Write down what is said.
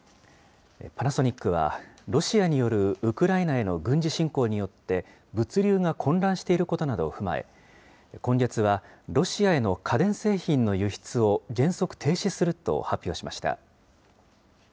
パナソニックは、ロシアによるウクライナへの軍事侵攻によって、物流が混乱していることなどを踏まえ、今月はロシアへの家電製品の輸出を原則停止すると発表しました。